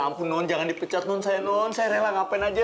tidak tidak jangan dipecat saya saya rela ngapain saja